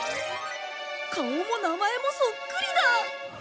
顔も名前もそっくりだ。